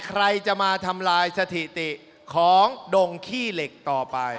ใครจะมาทำลายสถิติของดงขี้เหล็กต่อไป